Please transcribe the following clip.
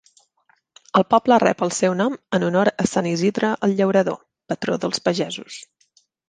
El poble rep el seu nom en honor a Sant Isidre el Llaurador, patró dels pagesos.